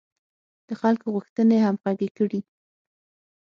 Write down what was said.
د خلکو غوښتنې همغږې کړي.